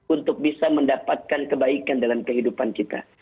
untuk bisa mendapatkan kebaikan dalam kehidupan kita